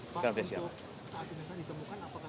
pak untuk saat dinasa ditemukan apakah itu memasukkan